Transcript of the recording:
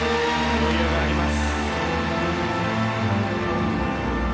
余裕があります。